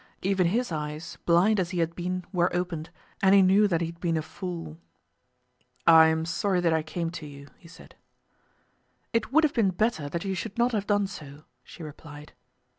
Even his eyes, blind as he had been, were opened, and he knew that he had been a fool. "I am sorry that I came to you," he said. "It would have been better that you should not have done so," she replied.